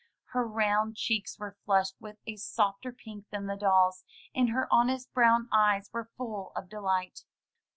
Her round cheeks were flushed with a softer pink than the doll's, and her honest brown eyes were full of delight.